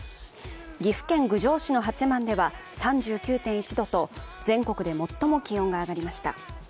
岐阜県郡上市の八幡では３９．１度と全国で最も気温が上がりました。